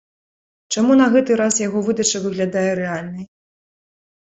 Чаму на гэты раз яго выдача выглядае рэальнай?